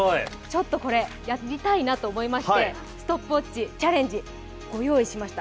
これ、やりたいなと思いましてストップウォッチ、チャレンジ、ご用意しました。